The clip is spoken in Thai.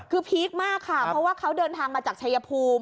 คือพีคมากค่ะเพราะว่าเขาเดินทางมาจากชายภูมิ